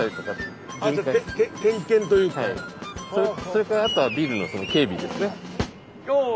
それからあとはビルの警備ですね。